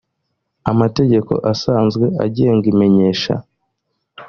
amategeko asanzwe agenga imenyesha